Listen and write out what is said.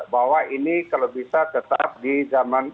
bahwa ini kalau bisa tetap di zaman